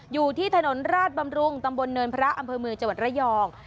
อยู่ที่ถนนราชบำรุงตำบลเนินพระอำเภอเมืองจังหวัดระยอง